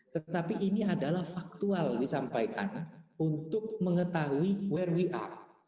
tetapi ini adalah faktual disampaikan untuk mengetahui where we are